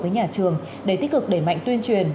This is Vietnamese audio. với nhà trường để tích cực đẩy mạnh tuyên truyền